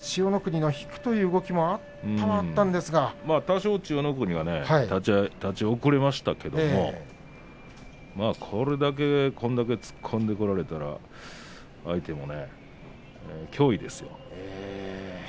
千代の国、引くという動きがあったにはあったと千代の国が少し立ち遅れましたけどこれだけ突っ込んでこられたら相手もね、脅威ですよ。